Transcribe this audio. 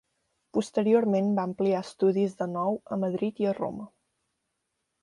Posteriorment va ampliar estudis de nou a Madrid i a Roma.